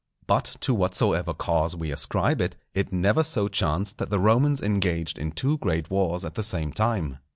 But to whatsoever cause we ascribe it, it never so chanced that the Romans engaged in two great wars at the same time.